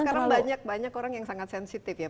karena banyak banyak orang yang sangat sensitif ya